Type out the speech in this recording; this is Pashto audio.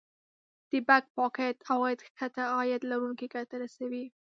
د Back pocket عواید ښکته عاید لرونکو ته ګټه رسوي